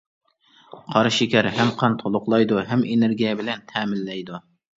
قارا شېكەر ھەم قان تولۇقلايدۇ، ھەم ئېنېرگىيە بىلەن تەمىنلەيدۇ.